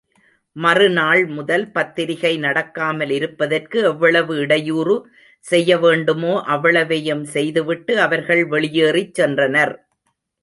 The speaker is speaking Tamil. மறுநாள் முதல் பத்திரிகை நடக்காமல் இருப்பதற்கு எவ்வளவு இடையூறு செய்யவேண்டுமோ அவ்வளவையும் செய்துவிட்டு, அவர்கள் வெளியேறிச்சென்றனர்.